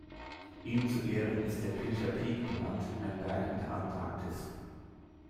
Ihm zu Ehren ist der Pilcher Peak benannt, ein Berg in der Antarktis.